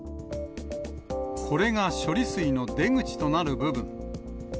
これが処理水の出口となる部分。